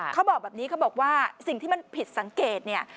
เขาบอกแบบนี้เขาบอกว่าสิ่งที่มันผิดสังเกตเนี่ย